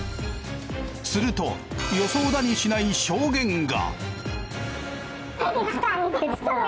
すると予想だにしない証言が。